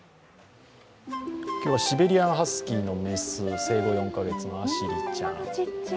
今日はシベリアンハスキーの雌生後４か月のアシリちゃん。